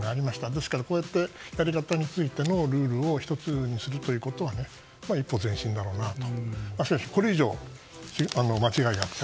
ですからやり方についてのルールを１つにするというのは一歩前進だろうなと。